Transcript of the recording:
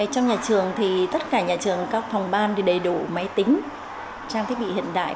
trong nhà trường thì tất cả nhà trường các phòng ban đầy đủ máy tính trang thiết bị hiện đại